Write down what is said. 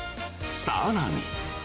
さらに。